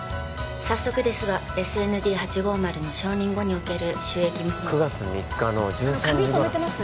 早速ですがＳＮＤ８５０の承認後における収益見込み９月３日の１３時頃髪染めてます？